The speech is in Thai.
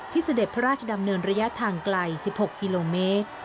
เสด็จพระราชดำเนินระยะทางไกล๑๖กิโลเมตร